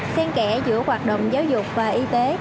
sen kẽ giữa hoạt động giáo dục và y tế